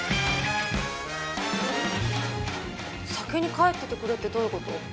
先に帰っててくれってどういう事？